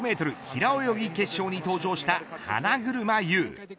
平泳ぎ決勝に登場した花車優。